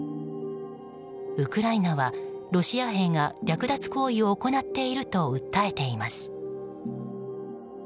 ウクライナはロシア兵が略奪行為を行っていると訴えています。